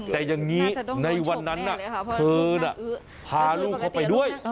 แต่อย่างนี้ในวันนั้นเธอน่ะพาลูกเขาไปด้วย